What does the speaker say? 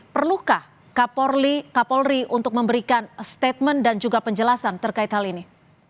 perlukah kapolri untuk memberikan statement dan juga penjelasan terkait hal ini